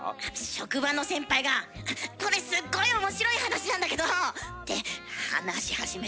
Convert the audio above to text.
職場の先輩が「これすっごい面白い話なんだけど」って話し始めたとき。